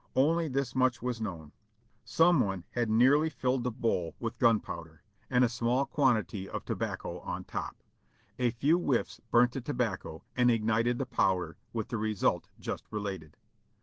Only this much was known : some one had nearlv filled the bowl with 484 JOHNNY REB AND BILLY YANK gunpowder, and a small quantity of tobacco on top. A few whiffs burnt the tobacco and ignited the powder with the result just related.